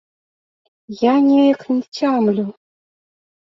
Я неяк не цямлю.